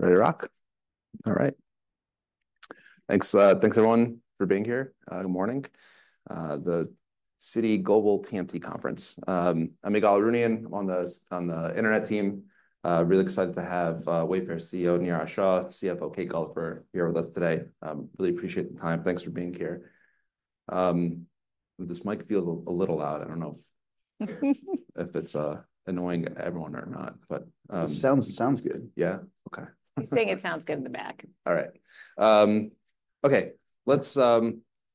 Ready to rock? All right. Thanks, thanks, everyone, for being here. Good morning. The Citi Global TMT Conference. I'm Ygal Arounian on the internet team. Really excited to have Wayfair CEO Niraj Shah, CFO Kate Gulliver here with us today. Really appreciate the time. Thanks for being here. This mic feels a little loud. I don't know if it's annoying everyone or not, but. It sounds good. Yeah? Okay. He's saying it sounds good in the back. All right. Okay, let's start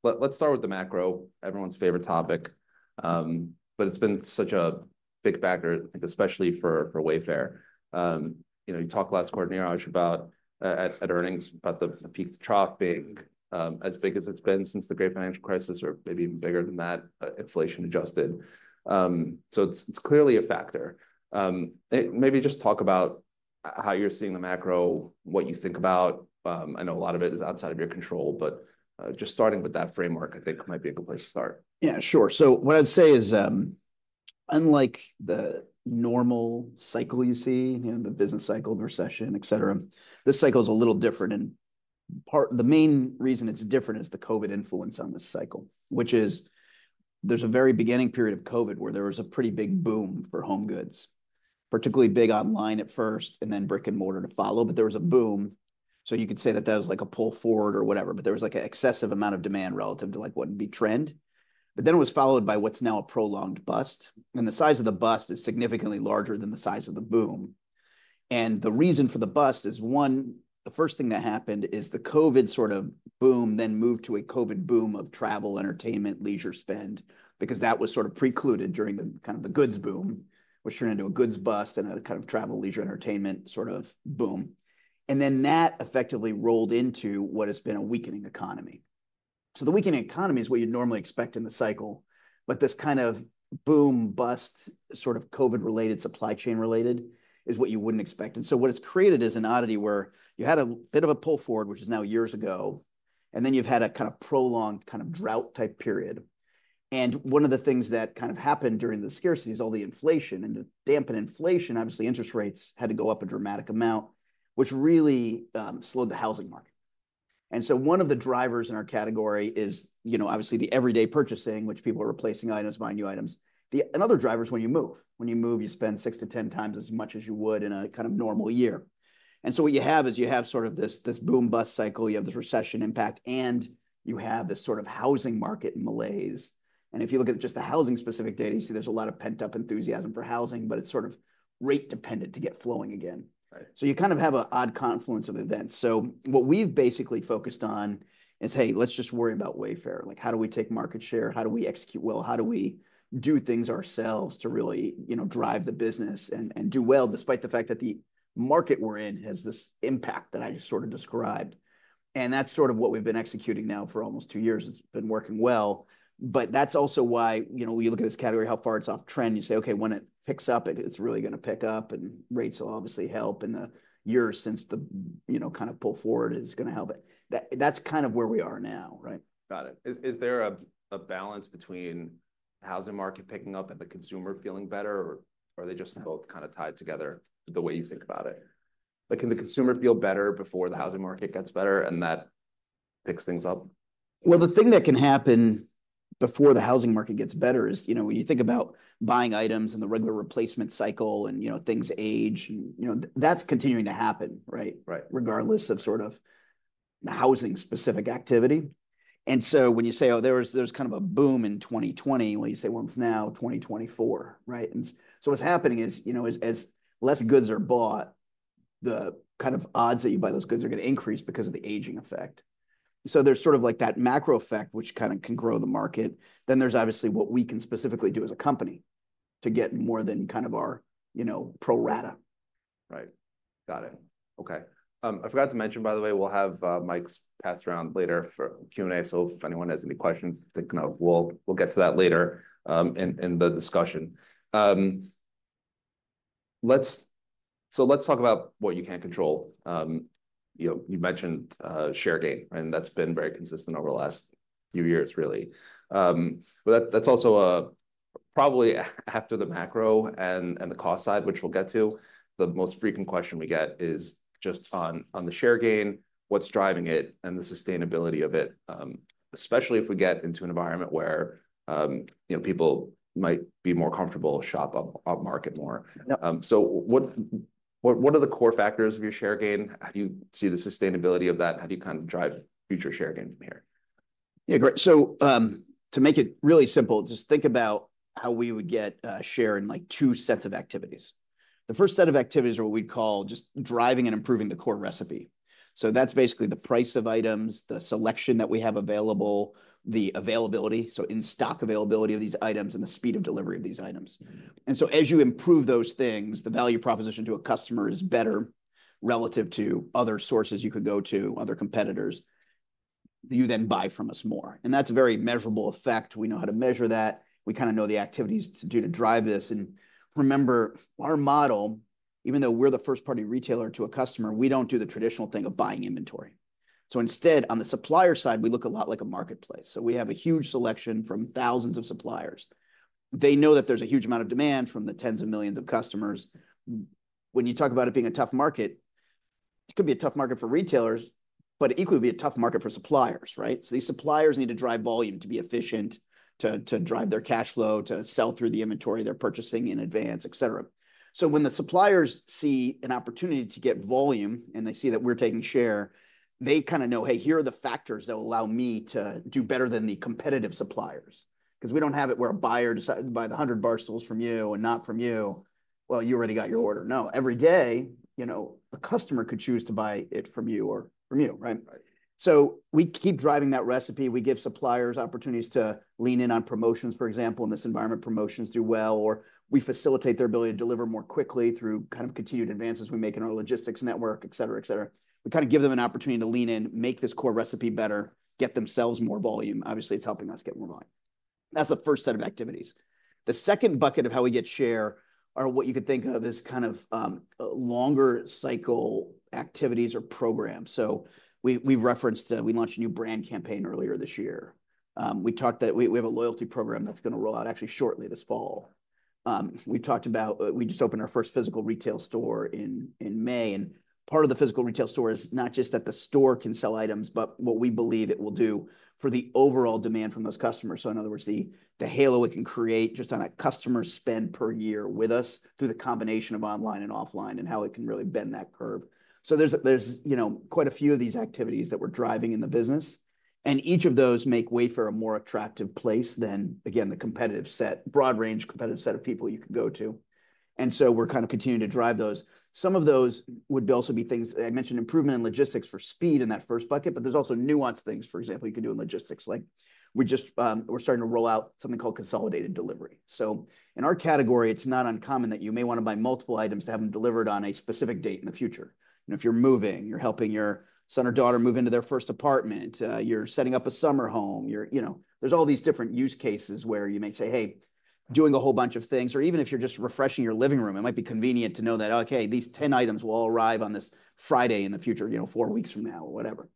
with the macro, everyone's favorite topic. But it's been such a big factor, I think especially for Wayfair. You know, you talked last quarter, Niraj, about at earnings about the peak trough being as big as it's been since the great financial crisis or maybe even bigger than that, inflation-adjusted. So it's clearly a factor. Maybe just talk about how you're seeing the macro, what you think about. I know a lot of it is outside of your control, but just starting with that framework I think might be a good place to start. Yeah, sure. So what I'd say is, unlike the normal cycle you see, you know, the business cycle, the recession, et cetera, this cycle is a little different, and the main reason it's different is the COVID influence on this cycle, which is, there's a very beginning period of COVID where there was a pretty big boom for home goods, particularly big online at first, and then brick-and-mortar to follow. But there was a boom, so you could say that that was like a pull forward or whatever, but there was, like, an excessive amount of demand relative to, like, what would be trend. But then it was followed by what's now a prolonged bust, and the size of the bust is significantly larger than the size of the boom. The reason for the bust is one. The first thing that happened is the COVID sort of boom, then moved to a COVID boom of travel, entertainment, leisure spend, because that was sort of precluded during the kind of goods boom, which turned into a goods bust and a kind of travel, leisure, entertainment sort of boom. That effectively rolled into what has been a weakening economy. The weakening economy is what you'd normally expect in the cycle, but this kind of boom-bust, sort of COVID-related, supply chain-related, is what you wouldn't expect. What it's created is an oddity where you had a bit of a pull forward, which is now years ago, and then you've had a kind of prolonged drought-type period. One of the things that kind of happened during the scarcity is all the inflation, and to dampen inflation, obviously, interest rates had to go up a dramatic amount, which really slowed the housing market. One of the drivers in our category is, you know, obviously the everyday purchasing, which people are replacing items, buying new items. Another driver is when you move, you spend six to 10 times as much as you would in a kind of normal year. What you have is you have sort of this boom-bust cycle, you have this recession impact, and you have this sort of housing market malaise. If you look at just the housing-specific data, you see there's a lot of pent-up enthusiasm for housing, but it's sort of rate-dependent to get flowing again. Right. So you kind of have an odd confluence of events. So what we've basically focused on is, "Hey, let's just worry about Wayfair. Like, how do we take market share? How do we execute well? How do we do things ourselves to really, you know, drive the business and do well, despite the fact that the market we're in has this impact that I just sort of described?" And that's sort of what we've been executing now for almost two years. It's been working well, but that's also why, you know, when you look at this category, how far it's off trend, you say, "Okay, when it picks up, it's really gonna pick up, and rates will obviously help, and the years since the, you know, kind of pull forward is gonna help," but that's kind of where we are now, right? Got it. Is there a balance between the housing market picking up and the consumer feeling better, or are they just- No... both kind of tied together, the way you think about it? Like, can the consumer feel better before the housing market gets better and that picks things up? The thing that can happen before the housing market gets better is, you know, when you think about buying items and the regular replacement cycle and, you know, things age, you know, that's continuing to happen, right? Right. Regardless of sort of housing-specific activity. And so when you say, "Oh, there was kind of a boom in 2020," well, you say, "Well, it's now 2024," right? And so what's happening is, you know, as less goods are bought, the kind of odds that you buy those goods are gonna increase because of the aging effect. So there's sort of, like, that macro effect, which kind of can grow the market. Then there's obviously what we can specifically do as a company to get more than kind of our, you know, pro rata. Right. Got it. Okay. I forgot to mention, by the way, we'll have mics passed around later for Q&A, so if anyone has any questions. We'll get to that later, in the discussion. Let's talk about what you can't control. You know, you mentioned share gain, and that's been very consistent over the last few years, really. But that's also, probably after the macro and the cost side, which we'll get to, the most frequent question we get is just on the share gain, what's driving it and the sustainability of it, especially if we get into an environment where, you know, people might be more comfortable to shop off market more. Yep. So what are the core factors of your share gain? How do you see the sustainability of that? How do you kind of drive future share gain from here? Yeah, great. So, to make it really simple, just think about how we would get share in, like, two sets of activities. The first set of activities are what we'd call just driving and improving the core recipe. So that's basically the price of items, the selection that we have available, the availability, so in-stock availability of these items, and the speed of delivery of these items. Mm-hmm. As you improve those things, the value proposition to a customer is better relative to other sources you could go to, other competitors. You then buy from us more, and that's a very measurable effect. We know how to measure that. We kind of know the activities to do to drive this. Remember, our model, even though we're the first-party retailer to a customer, we don't do the traditional thing of buying inventory. So instead, on the supplier side, we look a lot like a marketplace. So we have a huge selection from thousands of suppliers. They know that there's a huge amount of demand from the tens of millions of customers. When you talk about it being a tough market, it could be a tough market for retailers, but equally be a tough market for suppliers, right? So these suppliers need to drive volume to be efficient, to drive their cash flow, to sell through the inventory they're purchasing in advance, et cetera. So when the suppliers see an opportunity to get volume, and they see that we're taking share, they kinda know, "Hey, here are the factors that will allow me to do better than the competitive suppliers." 'Cause we don't have it where a buyer decides to buy the hundred bar stools from you and not from you. Well, you already got your order. No, every day, you know, a customer could choose to buy it from you or from you, right? So we keep driving that recipe. We give suppliers opportunities to lean in on promotions, for example. In this environment, promotions do well, or we facilitate their ability to deliver more quickly through kind of continued advances we make in our logistics network, et cetera, et cetera. We kind of give them an opportunity to lean in, make this core recipe better, get themselves more volume. Obviously, it's helping us get more volume. That's the first set of activities. The second bucket of how we get share are what you could think of as kind of longer cycle activities or programs. So we've referenced we launched a new brand campaign earlier this year. We talked that we have a loyalty program that's gonna roll out actually shortly this fall. We talked about, we just opened our first physical retail store in May, and part of the physical retail store is not just that the store can sell items, but what we believe it will do for the overall demand from those customers. So in other words, the halo it can create just on a customer spend per year with us, through the combination of online and offline, and how it can really bend that curve. So there's, you know, quite a few of these activities that we're driving in the business, and each of those make Wayfair a more attractive place than, again, the competitive set - broad range, competitive set of people you could go to. And so we're kind of continuing to drive those. Some of those would also be things... I mentioned improvement in logistics for speed in that first bucket, but there's also nuanced things, for example, you can do in logistics. Like, we just, we're starting to roll out something called Consolidated Delivery. So in our category, it's not uncommon that you may wanna buy multiple items to have them delivered on a specific date in the future. You know, if you're moving, you're helping your son or daughter move into their first apartment, you're setting up a summer home. You're, you know, there's all these different use cases where you may say, "Hey," doing a whole bunch of things, or even if you're just refreshing your living room, it might be convenient to know that, okay, these 10 items will all arrive on this Friday in the future, you know, four weeks from now or whatever.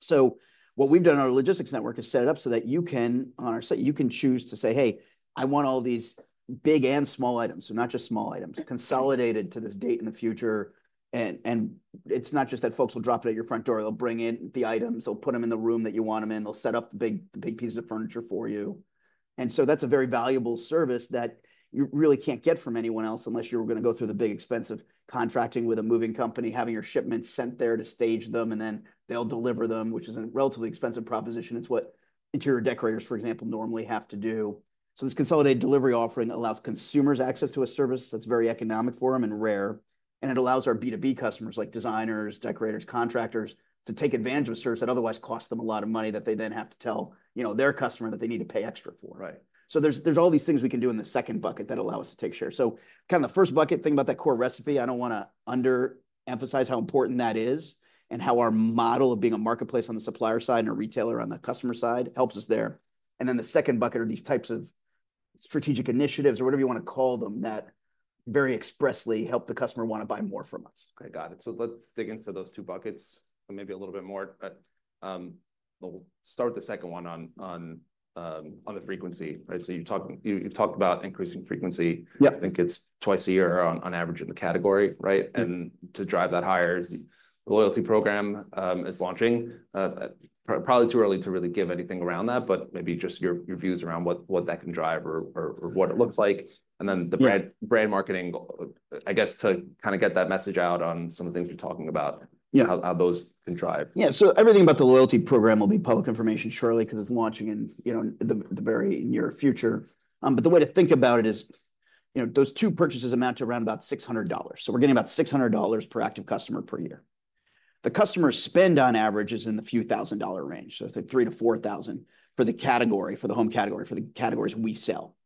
So what we've done in our logistics network is set it up so that you can, on our site, you can choose to say, "Hey, I want all these big and small items," so not just small items, "consolidated to this date in the future." And, and it's not just that folks will drop it at your front door. They'll bring in the items, they'll put them in the room that you want them in, they'll set up the big, the big pieces of furniture for you. And so that's a very valuable service that you really can't get from anyone else, unless you were gonna go through the big expense of contracting with a moving company, having your shipments sent there to stage them, and then they'll deliver them, which is a relatively expensive proposition. It's what interior decorators, for example, normally have to do. So this consolidated delivery offering allows consumers access to a service that's very economical for them and rare, and it allows our B2B customers, like designers, decorators, contractors, to take advantage of a service that otherwise costs them a lot of money that they then have to tell, you know, their customer that they need to pay extra for. Right. So there's, there's all these things we can do in the second bucket that allow us to take share. So kinda the first bucket thing about that core recipe, I don't wanna under-emphasize how important that is, and how our model of being a marketplace on the supplier side and a retailer on the customer side helps us there. And then the second bucket are these types of strategic initiatives, or whatever you wanna call them, that very expressly help the customer wanna buy more from us. Okay, got it. So let's dig into those two buckets maybe a little bit more. But, we'll start with the second one on the frequency. Right, so you've talked about increasing frequency. Yep. I think it's twice a year on average in the category, right? Yep. And to drive that higher is the loyalty program is launching. Probably too early to really give anything around that, but maybe just your views around what that can drive or what it looks like. Yeah. And then the brand, brand marketing, I guess, to kinda get that message out on some of the things you're talking about- Yeah ... how those can drive. Yeah, so everything about the loyalty program will be public information shortly, 'cause it's launching in, you know, the very near future. But the way to think about it is, you know, those two purchases amount to around about $600. So we're getting about $600 per active customer per year. The customer spend on average is in the few thousand dollar range, so $3,000-$4,000 for the category, for the home category, for the categories we sell.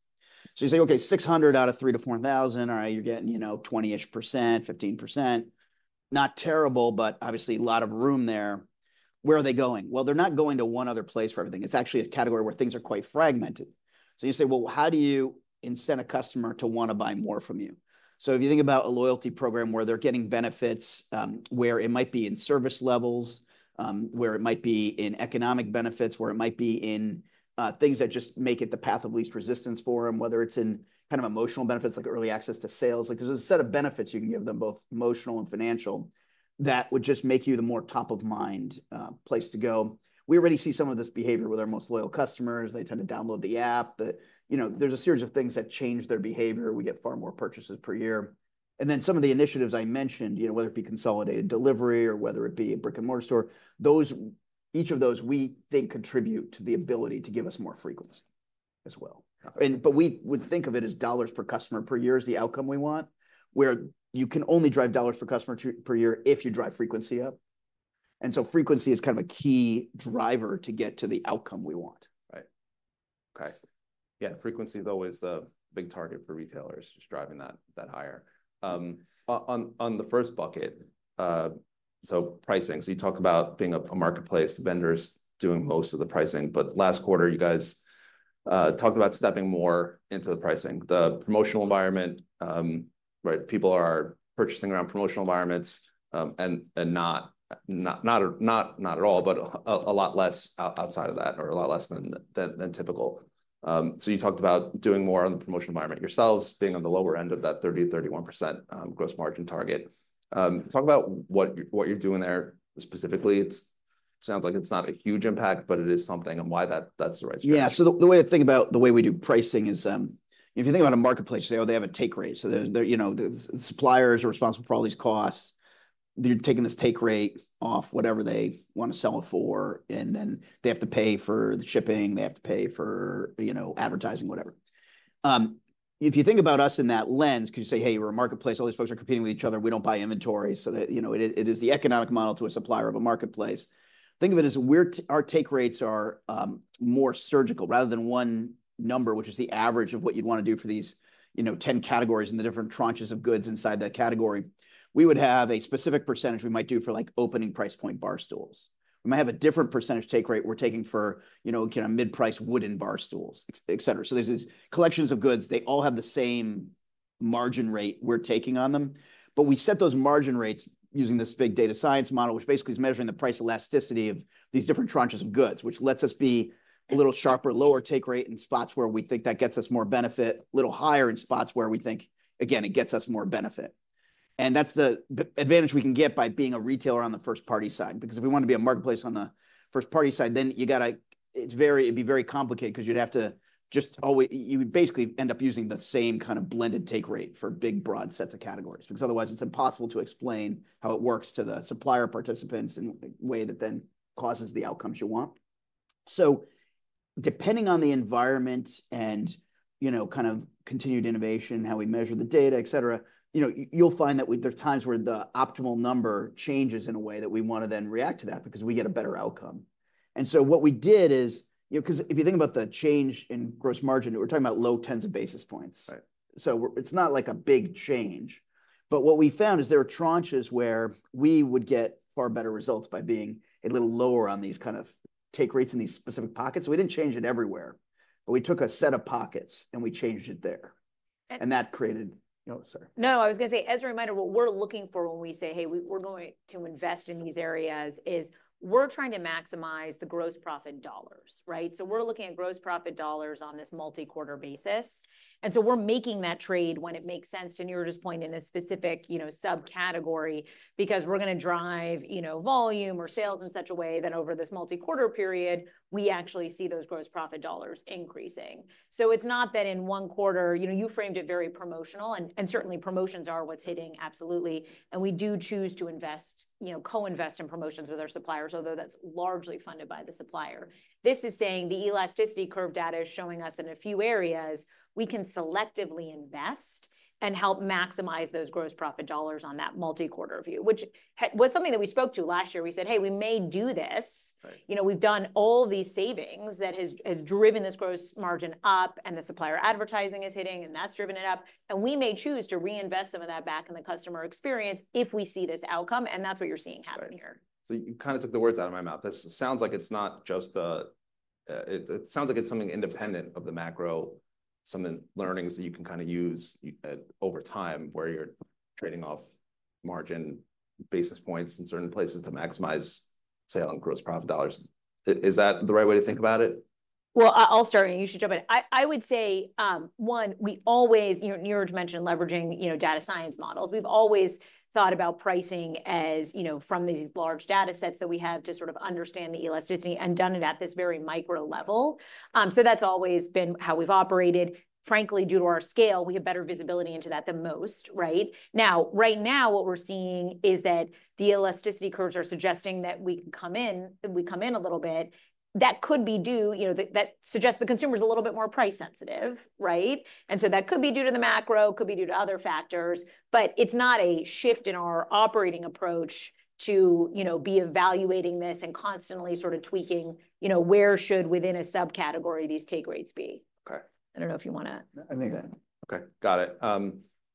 So you say, okay, $600 out of $3,000-$4,000. All right, you're getting, you know, 20-ish%, 15%. Not terrible, but obviously a lot of room there. Where are they going? Well, they're not going to one other place for everything. It's actually a category where things are quite fragmented. You say, well, how do you incent a customer to want to buy more from you? If you think about a loyalty program where they're getting benefits, where it might be in service levels, where it might be in economic benefits, where it might be in things that just make it the path of least resistance for them, whether it's in kind of emotional benefits, like early access to sales. Like, there's a set of benefits you can give them, both emotional and financial, that would just make you the more top-of-mind place to go. We already see some of this behavior with our most loyal customers. They tend to download the app. You know, there's a series of things that change their behavior. We get far more purchases per year. And then some of the initiatives I mentioned, you know, whether it be consolidated delivery or whether it be a brick-and-mortar store, those, each of those, we think, contribute to the ability to give us more frequency as well. Yeah. We would think of it as dollars per customer per year as the outcome we want, where you can only drive dollars per customer per year if you drive frequency up, and so frequency is kind of a key driver to get to the outcome we want. Right. Okay. Yeah, frequency is always a big target for retailers, just driving that higher. On the first bucket, so pricing. So you talk about being a marketplace, vendors doing most of the pricing, but last quarter, you guys talked about stepping more into the pricing, the promotional environment, right, people are purchasing around promotional environments, and not at all, but a lot less outside of that, or a lot less than typical. So you talked about doing more on the promotional environment yourselves, being on the lower end of that 30%-31%, gross margin target. Talk about what you're doing there specifically. It sounds like it's not a huge impact, but it is something, and why that's the right strategy? Yeah, so the way to think about the way we do pricing is, if you think about a marketplace, say, oh, they have a take rate. So they're, you know, the suppliers are responsible for all these costs. They're taking this take rate off whatever they wanna sell it for, and then they have to pay for the shipping, they have to pay for, you know, advertising, whatever. If you think about us in that lens, 'cause you say, "Hey, we're a marketplace, all these folks are competing with each other. We don't buy inventory," so that, you know, it is the economic model to a supplier of a marketplace. Think of it as our take rates are more surgical. Rather than one number, which is the average of what you'd wanna do for these, you know, ten categories and the different tranches of goods inside that category, we would have a specific percentage we might do for, like, opening price point bar stools. We may have a different percentage take rate we're taking for, you know, kind of, mid-priced wooden bar stools, et cetera. So there's these collections of goods, they all have the same margin rate we're taking on them. But we set those margin rates using this big data science model, which basically is measuring the price elasticity of these different tranches of goods, which lets us be a little sharper, lower take rate in spots where we think that gets us more benefit, a little higher in spots where we think, again, it gets us more benefit. And that's the advantage we can get by being a retailer on the first-party side. Because if we want to be a marketplace on the first-party side, then you gotta... it'd be very complicated, 'cause you'd have to just always you would basically end up using the same kind of blended take rate for big, broad sets of categories. Because otherwise, it's impossible to explain how it works to the supplier participants in a way that then causes the outcomes you want. So depending on the environment and, you know, kind of continued innovation, how we measure the data, et cetera, you know, you'll find that there's times where the optimal number changes in a way that we wanna then react to that because we get a better outcome. And so what we did is... You know, 'cause if you think about the change in gross margin, we're talking about low tens of basis points. Right. It's not, like, a big change, but what we found is there are tranches where we would get far better results by being a little lower on these kind of take rates in these specific pockets. We didn't change it everywhere, but we took a set of pockets, and we changed it there. And- Oh, sorry. No, I was gonna say, as a reminder, what we're looking for when we say, "Hey, we're going to invest in these areas," is we're trying to maximize the gross profit dollars, right? So we're looking at gross profit dollars on this multi-quarter basis, and so we're making that trade when it makes sense, to Niraj's point, in a specific, you know, subcategory. Because we're gonna drive, you know, volume or sales in such a way that over this multi-quarter period, we actually see those gross profit dollars increasing. So it's not that in one quarter... You know, you framed it very promotional, and certainly promotions are what's hitting, absolutely, and we do choose to invest, you know, co-invest in promotions with our suppliers, although that's largely funded by the supplier. This is saying the elasticity curve data is showing us in a few areas we can selectively invest and help maximize those gross profit dollars on that multi-quarter view, which was something that we spoke to last year. We said, "Hey, we may do this. Right. You know, we've done all these savings that has driven this gross margin up, and the supplier advertising is hitting, and that's driven it up, and we may choose to reinvest some of that back in the customer experience if we see this outcome, and that's what you're seeing happen here. Right. You kind of took the words out of my mouth. This sounds like it's not just a. It sounds like it's something independent of the macro, some learnings that you can kind of use over time, where you're trading off margin basis points in certain places to maximize sales and gross profit dollars. Is that the right way to think about it? Well, I'll start, and you should jump in. I would say, we always. You know, Niraj mentioned leveraging, you know, data science models. We've always thought about pricing as, you know, from these large data sets that we have to sort of understand the elasticity, and done it at this very micro level. So that's always been how we've operated. Frankly, due to our scale, we have better visibility into that than most, right? Now, right now, what we're seeing is that the elasticity curves are suggesting that we can come in a little bit. You know, that suggests the consumer is a little bit more price sensitive, right? And so that could be due to the macro, could be due to other factors, but it's not a shift in our operating approach to, you know, be evaluating this and constantly sort of tweaking, you know, where should, within a subcategory, these take rates be? Okay. I don't know if you wanna- I think- Okay, got it.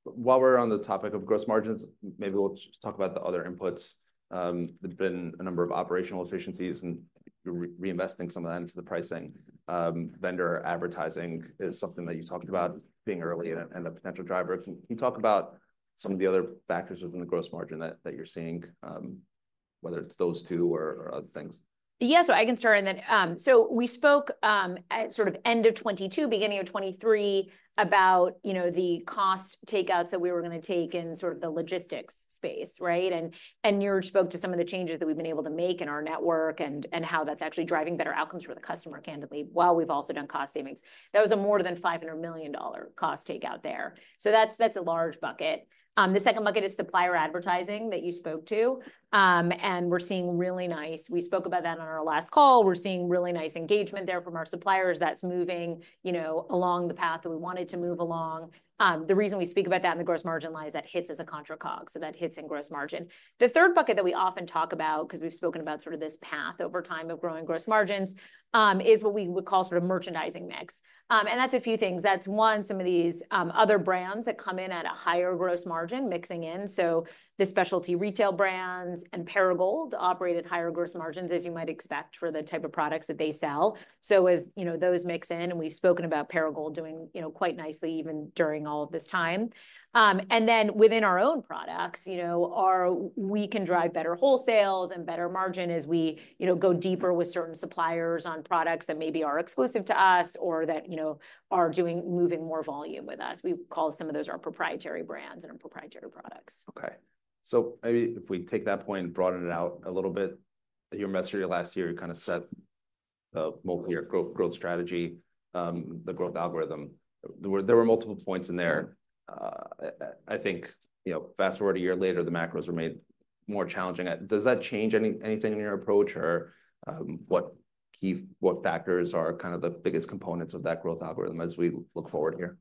While we're on the topic of gross margins, maybe we'll just talk about the other inputs. There's been a number of operational efficiencies, and re-investing some of that into the pricing. Vendor advertising is something that you talked about being early and a potential driver. Can you talk about some of the other factors within the gross margin that you're seeing, whether it's those two or other things? Yeah, so I can start, and then. So we spoke at sort of end of 2022, beginning of 2023, about, you know, the cost takeouts that we were gonna take in sort of the logistics space, right? And Niraj spoke to some of the changes that we've been able to make in our network, and how that's actually driving better outcomes for the customer, candidly, while we've also done cost savings. That was a more than $500 million cost takeout there, so that's a large bucket. The second bucket is supplier advertising that you spoke to, and we're seeing really nice. We spoke about that on our last call. We're seeing really nice engagement there from our suppliers that's moving, you know, along the path that we want it to move along. The reason we speak about that in the gross margin line is that hits as a contra COGS, so that hits in gross margin. The third bucket that we often talk about, 'cause we've spoken about sort of this path over time of growing gross margins, is what we would call sort of merchandising mix, and that's a few things. That's one, some of these other brands that come in at a higher gross margin mixing in, so the specialty retail brands and Perigold operate at higher gross margins, as you might expect for the type of products that they sell. So as you know, those mix in, and we've spoken about Perigold doing, you know, quite nicely even during all of this time, and then within our own products, you know, our... We can drive better whole sales and better margin as we, you know, go deeper with certain suppliers on products that maybe are exclusive to us, or that, you know, are moving more volume with us. We call some of those our proprietary brands and our proprietary products. Okay, so maybe if we take that point and broaden it out a little bit, at your investor day last year, you kind of set the multi-year growth strategy, the growth algorithm. There were multiple points in there. I think, you know, fast-forward a year later, the macros were made more challenging. Does that change anything in your approach, or, what key factors are kind of the biggest components of that growth algorithm as we look forward here?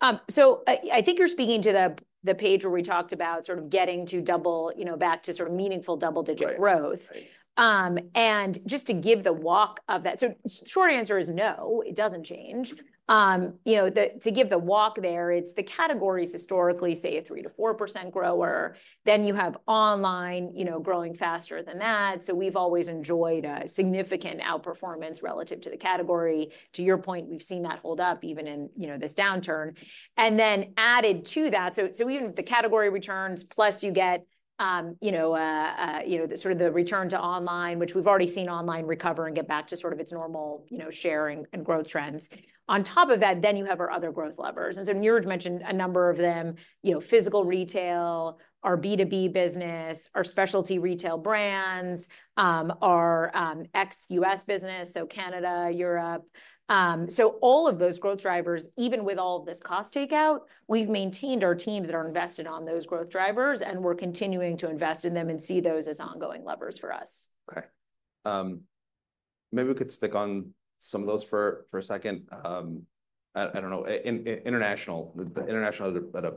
I think you're speaking to the page where we talked about sort of getting to double, you know, back to sort of meaningful double-digit growth. Right, right. And just to give the walk of that. So, short answer is no, it doesn't change. You know, to give the walk there, it's the categories historically say a 3-4% grower. Then you have online, you know, growing faster than that. So we've always enjoyed a significant outperformance relative to the category. To your point, we've seen that hold up even in, you know, this downturn. And then added to that. So, even the category returns, plus you get, you know, the sort of return to online, which we've already seen online recover and get back to sort of its normal, you know, share and growth trends. On top of that, then you have our other growth levers. And so Niraj mentioned a number of them, you know, physical retail, our B2B business, our specialty retail brands, our ex-US business, so Canada, Europe. So all of those growth drivers, even with all of this cost takeout, we've maintained our teams that are invested on those growth drivers, and we're continuing to invest in them and see those as ongoing levers for us. Okay. Maybe we could stick on some of those for a second. I don't know, international, the international had a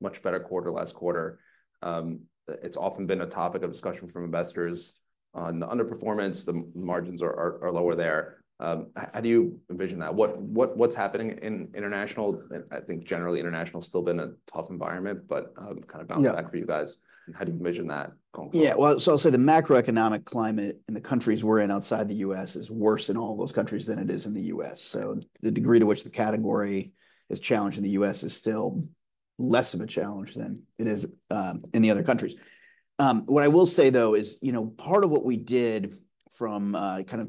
much better quarter last quarter. It's often been a topic of discussion from investors on the underperformance, the margins are lower there. How do you envision that? What's happening in international? And I think generally international's still been a tough environment, but kind of bounce back- Yeah... for you guys, how do you envision that going forward? Yeah, well, so I'll say the macroeconomic climate in the countries we're in outside the U.S. is worse in all those countries than it is in the U.S., so the degree to which the category is challenged in the U.S. is still less of a challenge than it is in the other countries. What I will say, though, is, you know, part of what we did from kind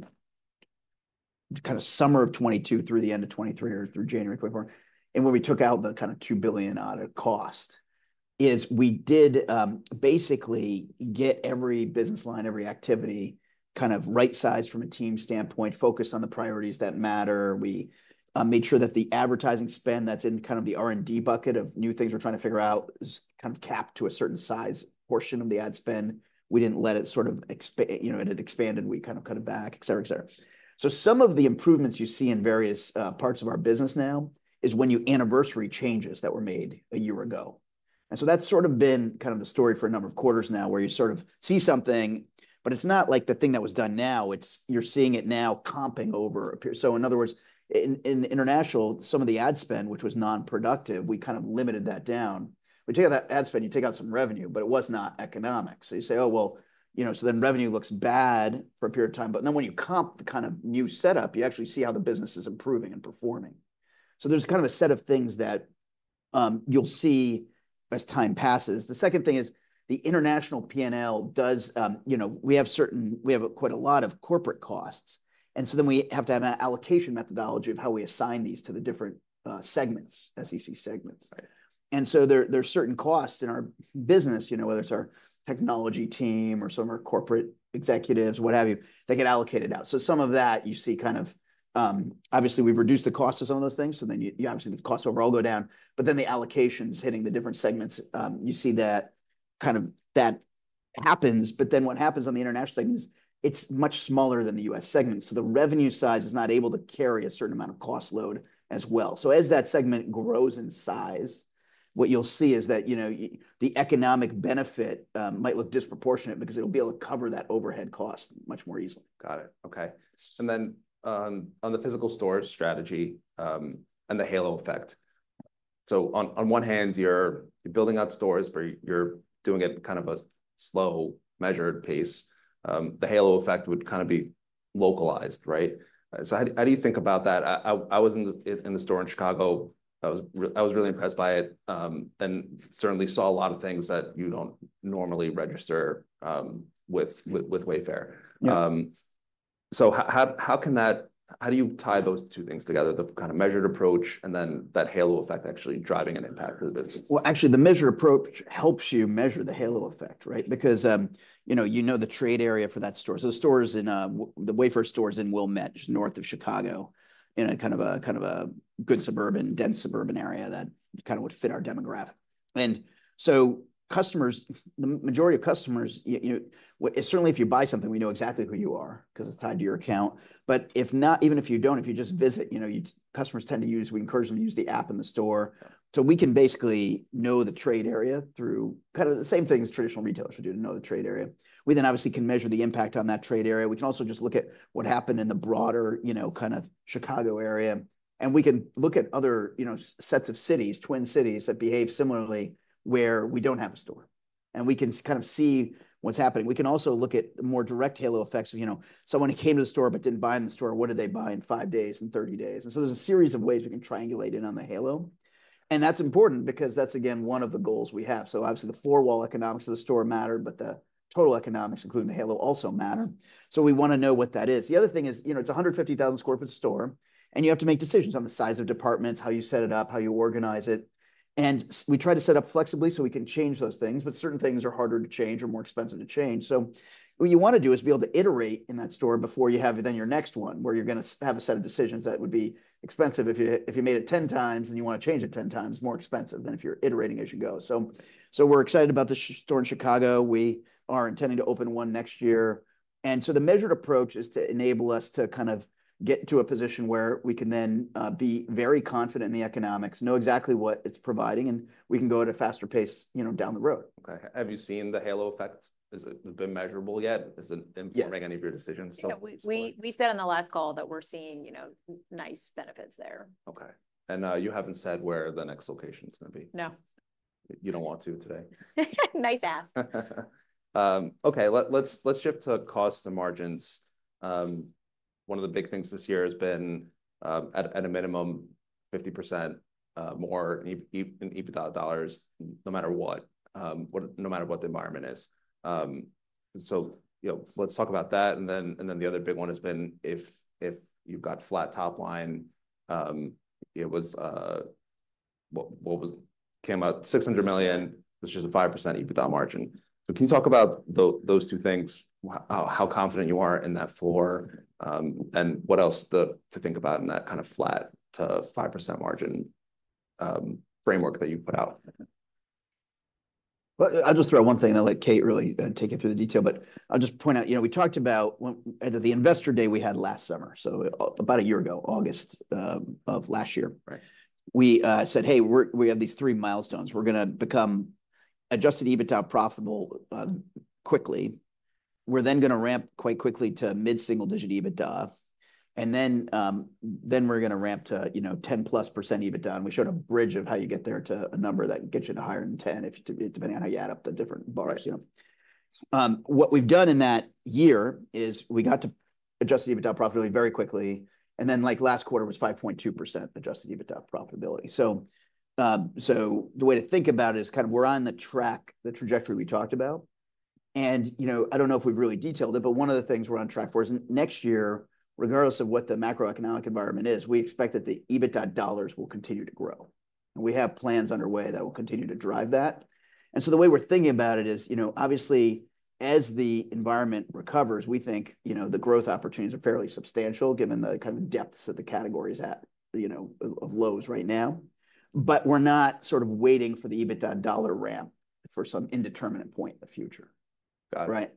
of summer of 2022 through the end of 2023 or through January 2024, and when we took out the kind of $2 billion odd of cost, is we did basically get every business line, every activity, kind of right-sized from a team standpoint, focused on the priorities that matter. We made sure that the advertising spend that's in kind of the R&D bucket of new things we're trying to figure out is kind of capped to a certain size portion of the ad spend. We didn't let it sort of expand, you know, it had expanded, we kind of cut it back, et cetera, et cetera. So some of the improvements you see in various parts of our business now is when you anniversary changes that were made a year ago. And so that's sort of been kind of the story for a number of quarters now, where you sort of see something, but it's not like the thing that was done now, it's you're seeing it now comping over a per-... So in other words, in international, some of the ad spend, which was non-productive, we kind of limited that down. When you take out that ad spend, you take out some revenue, but it was not economic. So you say, "Oh, well, you know, so then revenue looks bad for a period of time," but then when you comp the kind of new setup, you actually see how the business is improving and performing. So there's kind of a set of things that, you'll see as time passes. The second thing is the international PNL does, you know, we have certain, we have quite a lot of corporate costs, and so then we have to have an allocation methodology of how we assign these to the different, segments, SEC segments. Right. And so there are certain costs in our business, you know, whether it's our technology team or some of our corporate executives, what have you, they get allocated out. So some of that you see kind of, obviously we've reduced the cost of some of those things, so then you obviously the costs overall go down, but then the allocations hitting the different segments, you see that kind of happens. But then what happens on the international segment is it's much smaller than the US segment, so the revenue size is not able to carry a certain amount of cost load as well. So as that segment grows in size, what you'll see is that, you know, the economic benefit might look disproportionate, because it'll be able to cover that overhead cost much more easily. Got it. Okay. And then, on the physical store strategy, and the halo effect. So on one hand, you're building out stores, but you're doing it kind of a slow, measured pace. The halo effect would kind of be localized, right? So how do you think about that? I was in the store in Chicago. I was really impressed by it, and certainly saw a lot of things that you don't normally register with Wayfair. Yeah. So how can that... How do you tie those two things together, the kind of measured approach, and then that halo effect actually driving an impact for the business? Well, actually, the measured approach helps you measure the halo effect, right? Because you know, you know the trade area for that store. So the store is in the Wayfair store is in Wilmette, just north of Chicago, in a kind of good suburban, dense suburban area that kind of would fit our demographic. And so customers, the majority of customers, you know, certainly, if you buy something, we know exactly who you are, 'cause it's tied to your account. But if not, even if you don't, if you just visit, you know, customers tend to use, we encourage them to use the app in the store. So we can basically know the trade area through kind of the same thing as traditional retailers would do to know the trade area. We then obviously can measure the impact on that trade area. We can also just look at what happened in the broader, you know, kind of Chicago area, and we can look at other, you know, sets of cities, twin cities, that behave similarly, where we don't have a store, and we can kind of see what's happening. We can also look at more direct halo effects of, you know, someone who came to the store but didn't buy in the store, what did they buy in five days and thirty days, and so there's a series of ways we can triangulate in on the halo, and that's important because that's, again, one of the goals we have, so obviously, the four-wall economics of the store matter, but the total economics, including the halo, also matter, so we want to know what that is. The other thing is, you know, it's a 150,000 sq ft store, and you have to make decisions on the size of departments, how you set it up, how you organize it, and we try to set up flexibly so we can change those things, but certain things are harder to change or more expensive to change. So what you wanna do is be able to iterate in that store before you have then your next one, where you're gonna have a set of decisions that would be expensive if you, if you made it 10 times and you wanna change it 10 times, more expensive than if you're iterating as you go. So, so we're excited about this store in Chicago. We are intending to open one next year, and so the measured approach is to enable us to kind of get to a position where we can then be very confident in the economics, know exactly what it's providing, and we can go at a faster pace, you know, down the road. Okay. Have you seen the halo effect? Has it been measurable yet? Has it- Yes... influenced any of your decisions so far? Yeah, we said on the last call that we're seeing, you know, nice benefits there. Okay, and, you haven't said where the next location's gonna be? No. You don't want to today? Nice ask. Okay, let's shift to costs and margins. One of the big things this year has been, at a minimum 50% more in EBITDA dollars, no matter what the environment is. So, you know, let's talk about that, and then the other big one has been if you've got flat top line, what was it? Came out $600 million, which is a 5% EBITDA margin. So can you talk about those two things, how confident you are in that floor, and what else to think about in that kind of flat to 5% margin framework that you put out? I'll just throw out one thing, and I'll let Kate really take you through the detail, but I'll just point out, you know, we talked about at the investor day we had last summer, about a year ago, August, of last year- Right... we said, "Hey, we're, we have these three milestones. We're gonna become Adjusted EBITDA profitable, quickly. We're then gonna ramp quite quickly to mid-single-digit EBITDA, and then, then we're gonna ramp to, you know, 10-plus% EBITDA," and we showed a bridge of how you get there to a number that gets you to higher than 10 if, depending on how you add up the different bars- Right... you know. What we've done in that year is we got to Adjusted EBITDA profitability very quickly, and then, like, last quarter was 5.2% Adjusted EBITDA profitability. So, so the way to think about it is kind of we're on the track, the trajectory we talked about, and, you know, I don't know if we've really detailed it, but one of the things we're on track for is next year, regardless of what the macroeconomic environment is, we expect that the EBITDA dollars will continue to grow, and we have plans underway that will continue to drive that. And so the way we're thinking about it is, you know, obviously, as the environment recovers, we think, you know, the growth opportunities are fairly substantial given the kind of depths of the categories at, you know, of lows right now. But we're not sort of waiting for the EBITDA dollar ramp for some indeterminate point in the future. Got it. Right?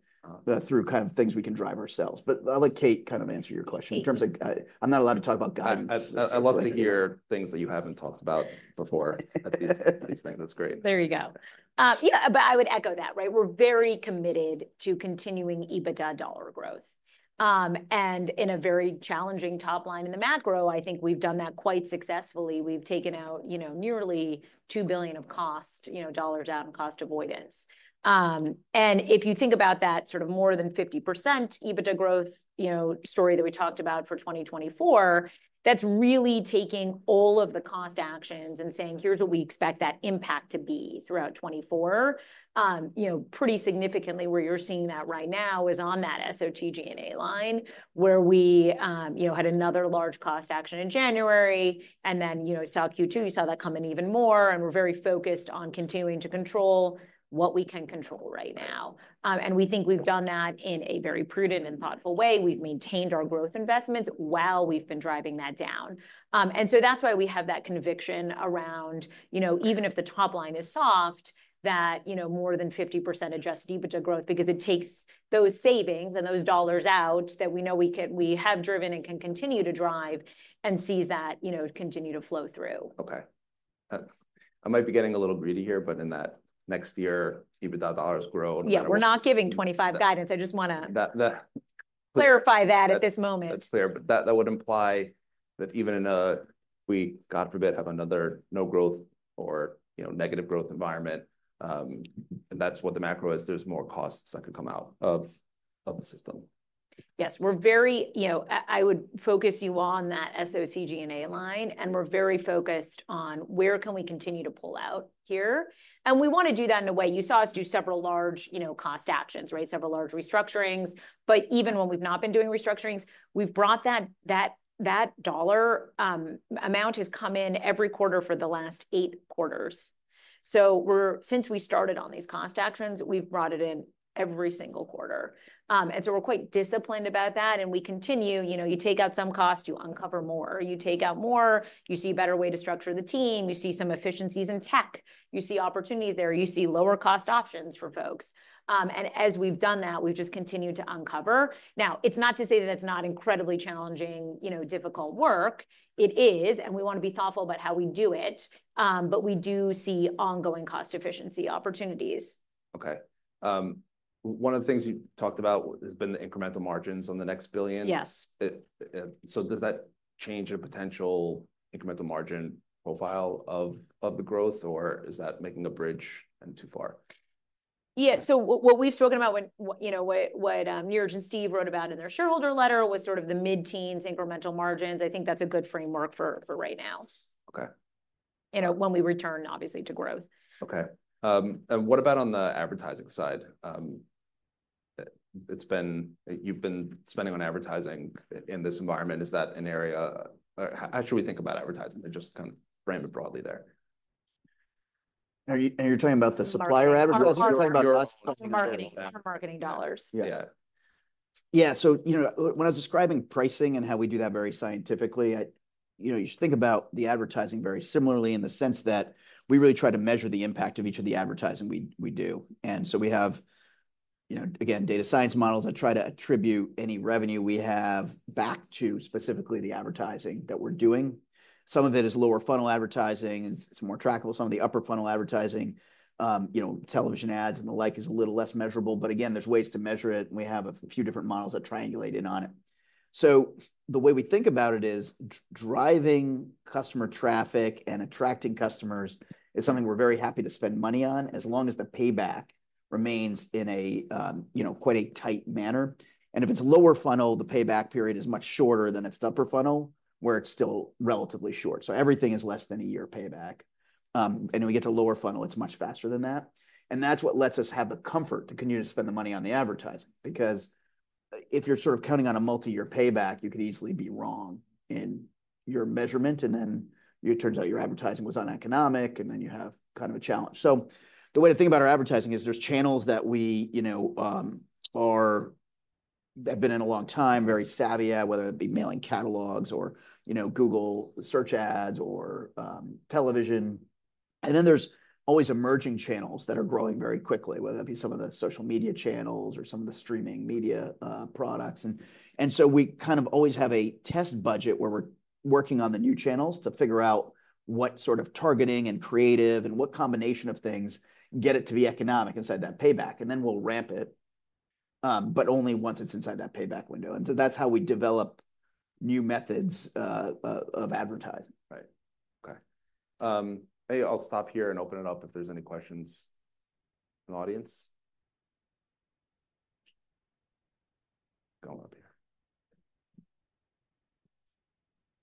Uh. Through kind of things we can drive ourselves, but I'll let Kate kind of answer your question. Kate... in terms of, I'm not allowed to talk about guidance. I love to hear things that you haven't talked about before. That's, I think that's great. There you go. Yeah, but I would echo that, right? We're very committed to continuing EBITDA dollar growth. And in a very challenging top line in the macro, I think we've done that quite successfully. We've taken out, you know, nearly $2 billion of cost, you know, dollars out in cost avoidance. And if you think about that sort of more than 50% EBITDA growth, you know, story that we talked about for 2024, that's really taking all of the cost actions and saying, "Here's what we expect that impact to be throughout 2024." You know, pretty significantly, where you're seeing that right now is on that SOTG&A line, where we, you know, had another large cost action in January, and then, you know, saw Q2, you saw that come in even more, and we're very focused on continuing to control what we can control right now. And we think we've done that in a very prudent and thoughtful way. We've maintained our growth investments while we've been driving that down. And so that's why we have that conviction around, you know, even if the top line is soft, that, you know, more than 50% Adjusted EBITDA growth, because it takes those savings and those dollars out that we know we have driven and can continue to drive, and sees that, you know, continue to flow through. Okay. I might be getting a little greedy here, but in that next year, EBITDA dollars grow- Yeah, we're not giving 2025 guidance. I just wanna- That, the-... clarify that at this moment. That's fair, but that would imply that even in a we, God forbid, have another no-growth or, you know, negative growth environment, and that's what the macro is. There's more costs that could come out of the system. Yes, we're very, you know, I would focus you on that SOTG&A line, and we're very focused on where can we continue to pull out here? And we wanna do that in a way. You saw us do several large, you know, cost actions, right? Several large restructurings, but even when we've not been doing restructurings, we've brought that dollar amount has come in every quarter for the last eight quarters. So we're, since we started on these cost actions, we've brought it in every single quarter. And so we're quite disciplined about that, and we continue. You know, you take out some cost, you uncover more. You take out more, you see a better way to structure the team, you see some efficiencies in tech, you see opportunities there, you see lower cost options for folks. And as we've done that, we've just continued to uncover. Now, it's not to say that it's not incredibly challenging, you know, difficult work. It is, and we wanna be thoughtful about how we do it, but we do see ongoing cost efficiency opportunities. Okay. One of the things you talked about has been the incremental margins on the next billion. Yes. So, does that change your potential incremental margin profile of the growth, or is that making a bridge too far? Yeah, so what we've spoken about when you know what Niraj and Steve wrote about in their shareholder letter was sort of the mid-teens incremental margins. I think that's a good framework for right now- Okay... you know, when we return, obviously, to growth. Okay. And what about on the advertising side? It's been, you've been spending on advertising in this environment. Is that an area or how should we think about advertising? And just kind of frame it broadly there. You're talking about the supplier advertising- Marketing. Or you're talking about us? For marketing, for marketing dollars. Yeah. Yeah. Yeah, so, you know, when I was describing pricing and how we do that very scientifically, you know, you should think about the advertising very similarly in the sense that we really try to measure the impact of each of the advertising we do. And so we have, you know, again, data science models that try to attribute any revenue we have back to specifically the advertising that we're doing. Some of it is lower funnel advertising, and it's more trackable. Some of the upper funnel advertising, you know, television ads and the like, is a little less measurable. But again, there's ways to measure it, and we have a few different models that triangulate in on it. So the way we think about it is, driving customer traffic and attracting customers is something we're very happy to spend money on, as long as the payback remains in a, you know, quite a tight manner. And if it's lower funnel, the payback period is much shorter than if it's upper funnel, where it's still relatively short. So everything is less than a year payback. And when we get to lower funnel, it's much faster than that. And that's what lets us have the comfort to continue to spend the money on the advertising, because if you're sort of counting on a multi-year payback, you could easily be wrong in your measurement, and then it turns out your advertising was uneconomic, and then you have kind of a challenge. So the way to think about our advertising is there's channels that we, you know, have been in a long time, very savvy at, whether it be mailing catalogs or, you know, Google Search ads or television. And then there's always emerging channels that are growing very quickly, whether that be some of the social media channels or some of the streaming media products. And so we kind of always have a test budget where we're working on the new channels to figure out what sort of targeting, and creative, and what combination of things get it to be economic inside that payback. And then we'll ramp it, but only once it's inside that payback window. And so that's how we develop new methods of advertising. Right. Okay. I'll stop here and open it up if there's any questions from the audience. Go up here.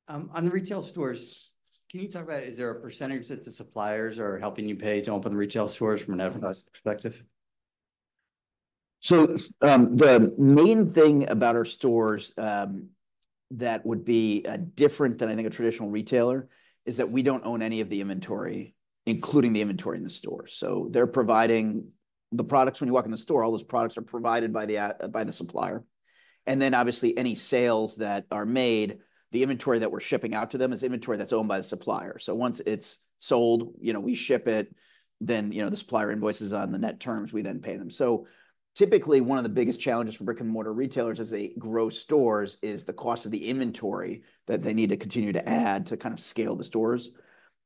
On the retail stores, can you talk about, is there a percentage that the suppliers are helping you pay to open retail stores from an advertising perspective? So, the main thing about our stores that would be different than, I think, a traditional retailer is that we don't own any of the inventory, including the inventory in the store. So they're providing the products. When you walk in the store, all those products are provided by the supplier, and then obviously, any sales that are made, the inventory that we're shipping out to them is inventory that's owned by the supplier. So once it's sold, you know, we ship it, then, you know, the supplier invoices on the net terms, we then pay them. So typically, one of the biggest challenges for brick-and-mortar retailers as they grow stores is the cost of the inventory that they need to continue to add to kind of scale the stores.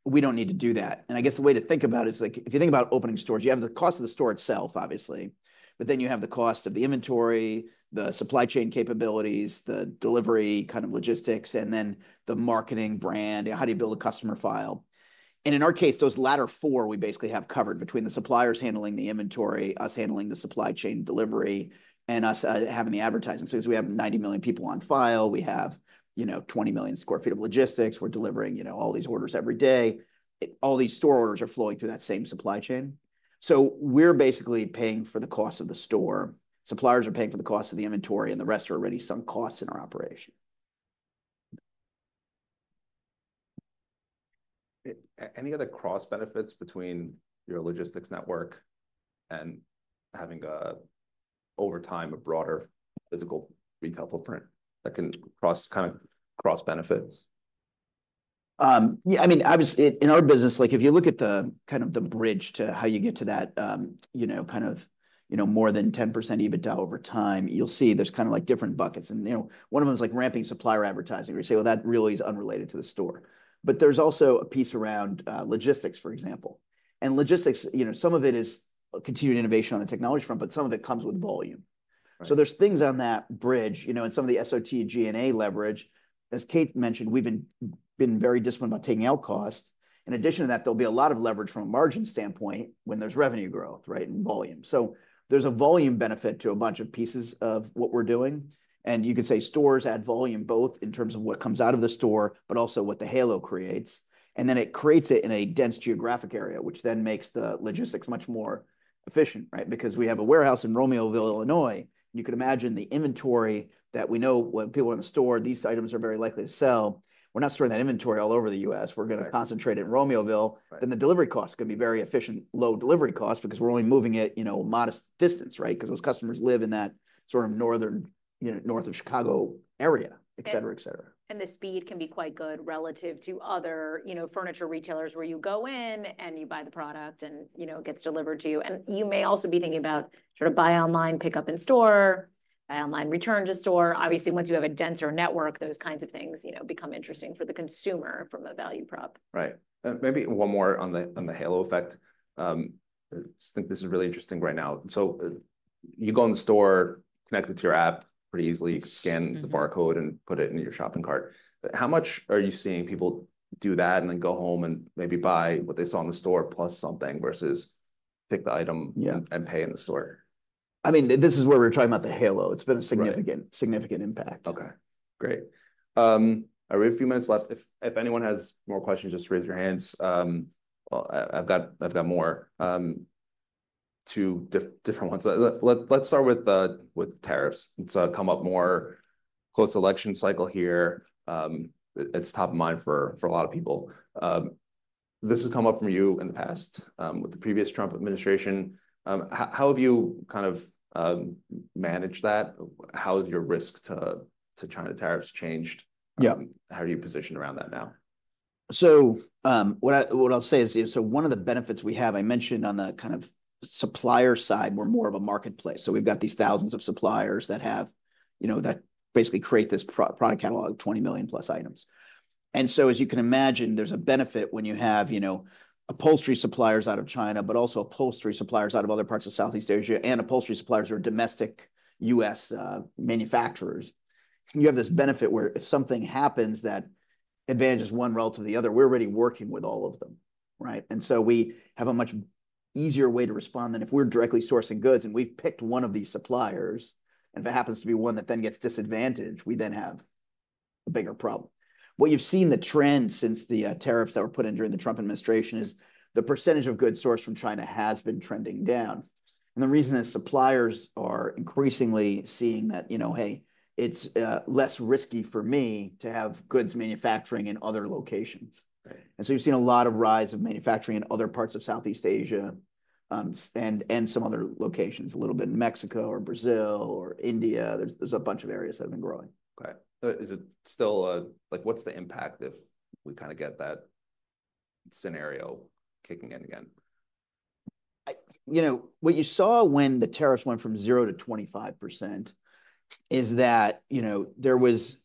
We don't need to do that. I guess the way to think about it is, like, if you think about opening stores, you have the cost of the store itself, obviously, but then you have the cost of the inventory, the supply chain capabilities, the delivery kind of logistics, and then the marketing brand. How do you build a customer file? And in our case, those latter four, we basically have covered between the suppliers handling the inventory, us handling the supply chain delivery, and us, having the advertising. So we have 90 million people on file, we have, you know, 20 million sq ft of logistics. We're delivering, you know, all these orders every day. All these store orders are flowing through that same supply chain. So we're basically paying for the cost of the store. Suppliers are paying for the cost of the inventory, and the rest are already sunk costs in our operation. Any other cross benefits between your logistics network and having a, over time, a broader physical retail footprint that can cross, kind of cross benefits? Yeah, I mean, obviously in our business, like if you look at the kind of the bridge to how you get to that, you know, kind of, you know, more than 10% EBITDA over time, you'll see there's kind of like different buckets. And, you know, one of them is like ramping supplier advertising, where you say, "Well, that really is unrelated to the store." But there's also a piece around, logistics, for example. And logistics, you know, some of it is continued innovation on the technology front, but some of it comes with volume. Right. So there's things on that bridge, you know, and some of the SOTG&A leverage. As Kate mentioned, we've been very disciplined about taking out costs. In addition to that, there'll be a lot of leverage from a margin standpoint when there's revenue growth, right, and volume. So there's a volume benefit to a bunch of pieces of what we're doing. And you could say stores add volume, both in terms of what comes out of the store, but also what the halo creates. And then it creates it in a dense geographic area, which then makes the logistics much more efficient, right? Because we have a warehouse in Romeoville, Illinois, you could imagine the inventory that we know when people in the store, these items are very likely to sell. We're not storing that inventory all over the U.S. Right. We're gonna concentrate it in Romeoville. Right. Then the delivery costs can be very efficient, low delivery costs, because we're only moving it, you know, modest distance, right? Because those customers live in that sort of northern, you know, north of Chicago area, et cetera, et cetera. And the speed can be quite good relative to other, you know, furniture retailers, where you go in, and you buy the product and, you know, it gets delivered to you. And you may also be thinking about sort of buy online, pick up in store, buy online, return to store. Obviously, once you have a denser network, those kinds of things, you know, become interesting for the consumer from a value prop. Right. Maybe one more on the halo effect. I just think this is really interesting right now. So you go in the store, connected to your app pretty easily- Mm-hmm. you scan the barcode and put it in your shopping cart. How much are you seeing people do that, and then go home and maybe buy what they saw in the store, plus something, versus pick the item- Yeah... and pay in the store? I mean, this is where we were talking about the halo. Right. It's been a significant, significant impact. Okay. Great. I have a few minutes left. If anyone has more questions, just raise your hands. Well, I've got more, two different ones. Let's start with tariffs. It's come up more close election cycle here. It's top of mind for a lot of people. This has come up from you in the past, with the previous Trump administration. How have you kind of managed that? How has your risk to China tariffs changed? Yeah. How are you positioned around that now? What I'll say is one of the benefits we have. I mentioned on the kind of supplier side, we're more of a marketplace. We've got these thousands of suppliers that have, you know, that basically create this product catalog of 20 million plus items. As you can imagine, there's a benefit when you have, you know, upholstery suppliers out of China, but also upholstery suppliers out of other parts of Southeast Asia, and upholstery suppliers who are domestic U.S. manufacturers. You have this benefit where if something happens, that advantage is one relative to the other. We're already working with all of them, right? And so we have a much easier way to respond than if we're directly sourcing goods, and we've picked one of these suppliers, and if it happens to be one that then gets disadvantaged, we then have a bigger problem. What you've seen the trend since the tariffs that were put in during the Trump administration is the percentage of goods sourced from China has been trending down. And the reason is suppliers are increasingly seeing that, you know, "Hey, it's less risky for me to have goods manufacturing in other locations. Right. And so you've seen a lot of rise of manufacturing in other parts of Southeast Asia, and some other locations, a little bit in Mexico or Brazil or India. There's a bunch of areas that have been growing. Okay. Is it still, like, what's the impact if we kind of get that scenario kicking in again? You know, what you saw when the tariffs went from zero to 25% is that, you know, there was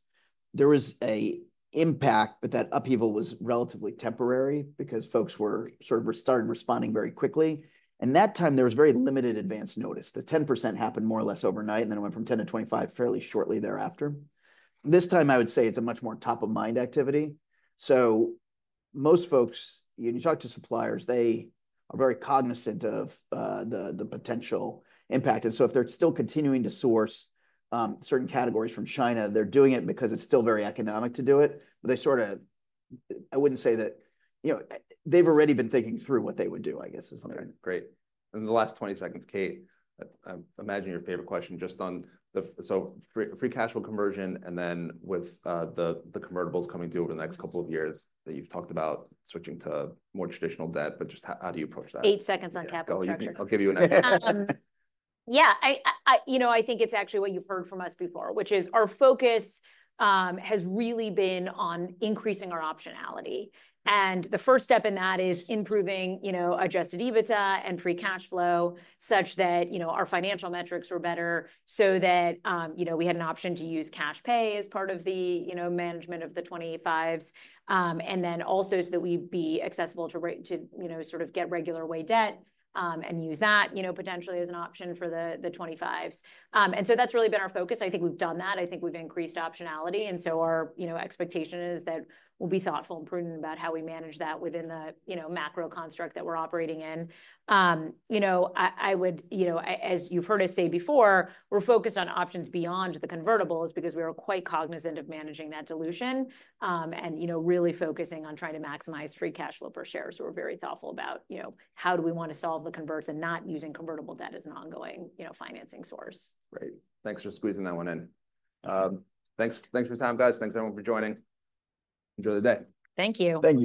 a impact, but that upheaval was relatively temporary because folks were sort of restarted responding very quickly. And that time there was very limited advance notice. The 10% happened more or less overnight, and then it went from 10 to 25 fairly shortly thereafter. This time, I would say it's a much more top-of-mind activity. So most folks, when you talk to suppliers, they are very cognizant of the potential impact. And so if they're still continuing to source certain categories from China, they're doing it because it's still very economic to do it, but they sort of I wouldn't say that, you know, they've already been thinking through what they would do, I guess is- Okay, great. In the last twenty seconds, Kate, I imagine your favorite question, just on the, so free cash flow conversion, and then with the convertibles coming due over the next couple of years, that you've talked about switching to more traditional debt, but just how do you approach that? Eight seconds on capital structure. Yeah. Go, you... I'll give you an extra. Yeah, I think it's actually what you've heard from us before, which is our focus has really been on increasing our optionality. And the first step in that is improving, you know, Adjusted EBITDA and free cash flow such that, you know, our financial metrics were better, so that, you know, we had an option to use cash pay as part of the, you know, management of the 2028s,25s. And then also so that we'd be accessible to to, you know, sort of get regular way debt, and use that, you know, potentially as an option for the twenty-fives. And so that's really been our focus. I think we've done that. I think we've increased optionality, and so our, you know, expectation is that we'll be thoughtful and prudent about how we manage that within the, you know, macro construct that we're operating in. You know, I would, you know, as you've heard us say before, we're focused on options beyond the convertibles because we are quite cognizant of managing that dilution, and, you know, really focusing on trying to maximize free cash flow per share. So we're very thoughtful about, you know, how do we want to solve the converts and not using convertible debt as an ongoing, you know, financing source. Great. Thanks for squeezing that one in. Thanks, thanks for your time, guys. Thanks, everyone, for joining. Enjoy the day. Thank you. Thank you.